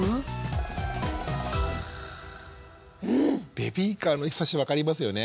ベビーカーのひさし分かりますよね。